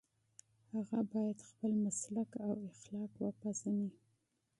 هغه باید خپل مسلک او اخلاق وپيژني.